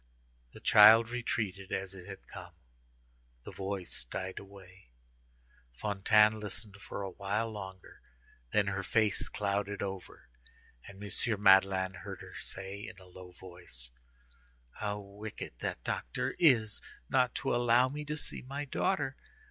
The child retreated as it had come; the voice died away. Fantine listened for a while longer, then her face clouded over, and M. Madeleine heard her say, in a low voice: "How wicked that doctor is not to allow me to see my daughter!